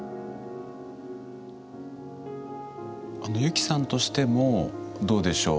あのユキさんとしてもどうでしょう